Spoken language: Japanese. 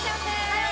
はい！